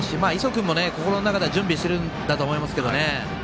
君も心の中では準備しているんだと思いますけどね。